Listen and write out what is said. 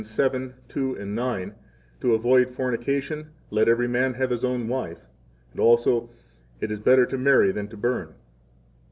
7:2,9: To avoid fornication, let every man have his own wife. Also: It is better to marry than to burn.